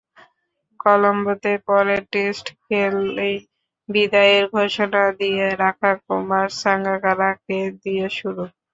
কলম্বোতে পরের টেস্ট খেলেই বিদায়ের ঘোষণা দিয়ে রাখা কুমার সাঙ্গাকারাকে দিয়ে শুরু।